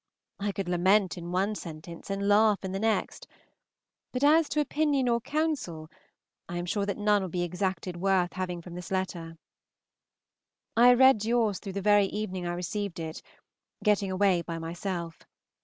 I could lament in one sentence and laugh in the next, but as to opinion or counsel I am sure that none will be extracted worth having from this letter. I read yours through the very evening I received it, getting away by myself.